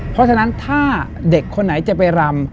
เพราะฉะนั้นถ้าเด็กคนไหนจะไปรำ